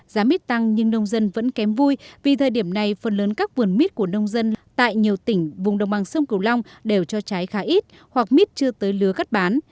giá miết tăng nhưng nông dân vẫn kém vui vì thời điểm này phần lớn các vườn miết của nông dân tại nhiều tỉnh vùng đồng bằng sông kiểu long đều cho trái khá ít hoặc miết chưa tới lứa gắt bán